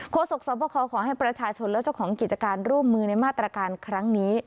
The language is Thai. ศกสวบคขอให้ประชาชนและเจ้าของกิจการร่วมมือในมาตรการครั้งนี้